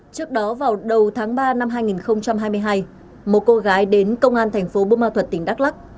trước đó vào đầu tháng ba năm hai nghìn hai mươi hai một cô gái đến công an tp bumal thuật tỉnh đắk lắc